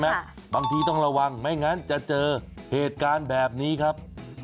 บางทีต้องระวังไม่งั้นจะเจอเหตุการณ์แบบนี้ครับ